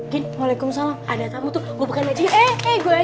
waalaikumsalam ada tamu tuh gue bukain aja